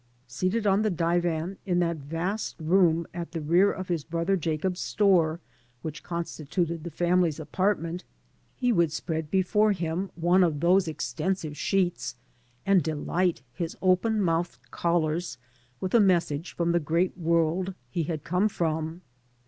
Seated on the divan in that vast room at the rear of his brother Jacob's store which constituted the family's apartment, he would spread before him 18 THE GOSPEL OF NEW YORK one of those extensive sheets and delight his open mouthed callers with a message from the great world he had come from.